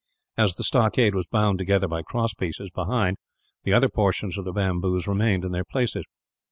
As the stockade was bound together by cross pieces, behind, the other portions of the bamboos remained in their places.